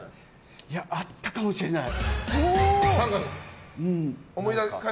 いや、あったかもしれない。